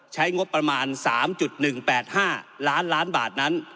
ใช้งบประมาณ๓๑๘๕ล้านล้านบาทนั้น